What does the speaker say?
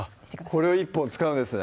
これを１本使うんですね